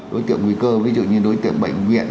đối tượng nguy cơ ví dụ như đối tượng bệnh viện